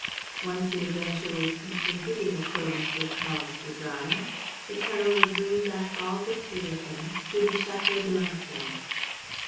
Once the adventure was completed in accordance with Paul's designs, the tunnel would bring back all the three of them to the Château d'Ornequin.